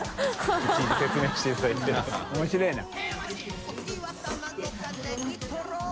面白いな。